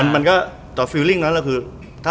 เล่นดีอย่างแพ้เลยอะ